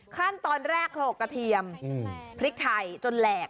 ขั้นตอนแรกโหลกกระเทียมพริกไทยจนแหลก